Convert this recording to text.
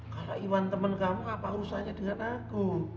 kalau iwan temen kamu kapal terus aja dengan aku